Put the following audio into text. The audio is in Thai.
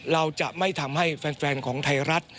เราจะไม่ทำให้แฟนของไทยรัฐ